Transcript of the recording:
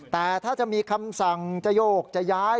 แต่ถ้าจะมีคำสั่งจะโยกจะย้าย